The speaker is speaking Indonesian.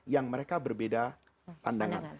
yang mereka berbeda pandangan